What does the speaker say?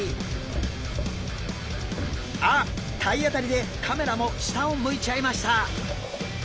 あっ体当たりでカメラも下を向いちゃいました。